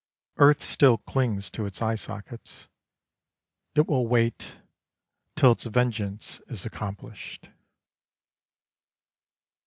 Earth still clings to its eye sockets, It will wait, till its vengeance is accomplished.